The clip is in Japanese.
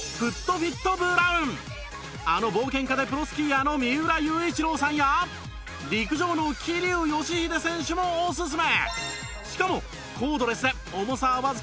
あの冒険家でプロスキーヤーの三浦雄一郎さんや陸上の桐生祥秀選手もおすすめ！